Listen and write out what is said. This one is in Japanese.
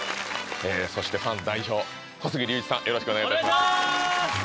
そしてファン代表・小杉竜一さんよろしくお願いしますお願いします！